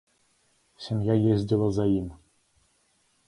Сям'я ездзіла за ім.